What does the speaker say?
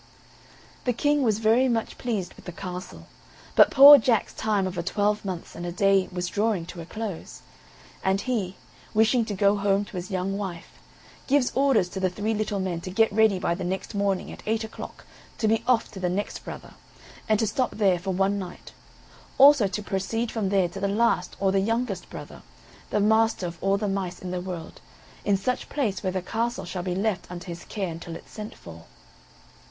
The King was very much pleased with the castle, but poor Jack's time of a twelvemonths and a day was drawing to a close; and he, wishing to go home to his young wife, gives orders to the three little men to get ready by the next morning at eight o'clock to be off to the next brother, and to stop there for one night; also to proceed from there to the last or the youngest brother, the master of all the mice in the world, in such place where the castle shall be left under his care until it's sent for.